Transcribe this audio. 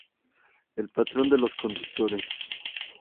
El patrón de los conductores.